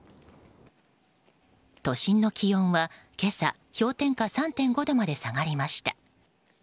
都心の気温は今朝氷点下３．５度まで下がりました。